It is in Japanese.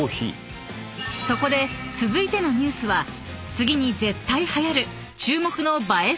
［そこで続いてのニュースは次に絶対はやる注目の映え